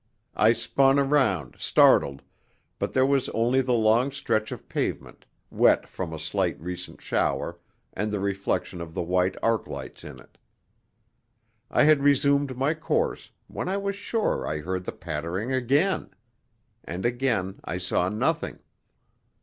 I spun, around, startled, but there was only the long stretch of pavement, wet from a slight recent shower, and the reflection of the white arc lights in it. I had resumed my course when I was sure I heard the pattering again. And again I saw nothing.